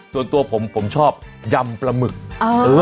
ตัวตัวผมผมชอบยั่มปลาหมึกเออเออ